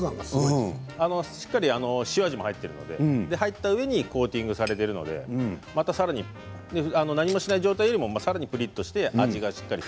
しっかり塩味も入っているので入ったうえでコーティングされているので何もしない状態よりもさらにプリッとして味がしっかり。